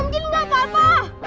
om jin udah apa apa